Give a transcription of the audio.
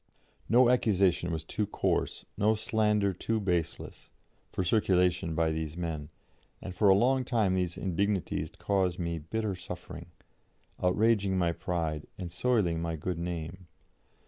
No accusation was too coarse, no slander too baseless, for circulation by these men; and for a long time these indignities caused me bitter suffering, outraging my pride, and soiling my good name.